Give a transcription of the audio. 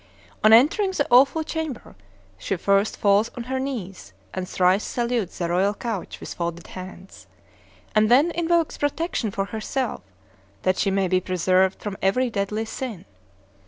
On entering the awful chamber, she first falls on her knees, and thrice salutes the royal couch with folded hands, and then invokes protection for herself, that she may be preserved from every deadly sin.